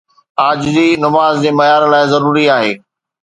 عاجزي نماز جي معيار لاءِ ضروري آهي.